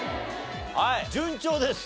はい順調です。